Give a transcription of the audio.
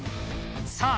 さあ